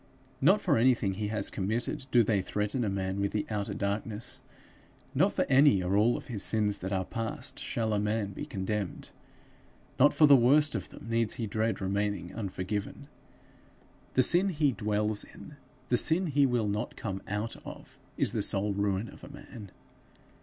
Not for anything he has committed do they threaten a man with the outer darkness. Not for any or all of his sins that are past shall a man be condemned; not for the worst of them needs he dread remaining unforgiven. The sin he dwells in, the sin he will not come out of, is the sole ruin of a man.